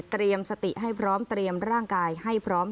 สติให้พร้อมเตรียมร่างกายให้พร้อม